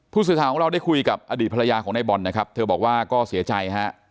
ผู้สื่อข่าวของเราได้คุยกับอดีตภรรยาของในบอลนะครับเธอบอกว่าก็เสียใจฮะ